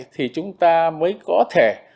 thì chúng ta mới có thể